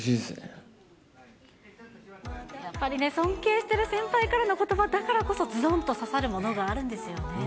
やっぱりね、尊敬してる先輩からのことばだからこそ、ずどんと刺さるものがあるんですよね。